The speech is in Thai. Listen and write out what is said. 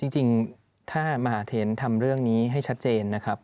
จริงถ้ามหาเทนทำเรื่องนี้ให้ชัดเจนนะครับ